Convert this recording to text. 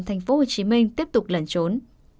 thành phố hồ chí minh tiếp tục lẩn trốn